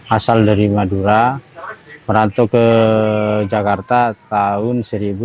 asal dari madura merantau ke jakarta tahun seribu sembilan ratus sembilan puluh